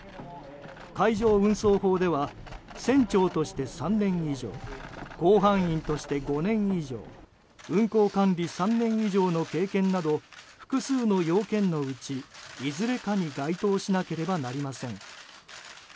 海上運送法では船長として３年以上甲板員として５年以上運航管理３年以上の経験など複数の要件のうちいずれかに該当しなければなりません。